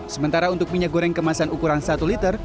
sementara untuk minyak goreng kemasan ukuran satu liter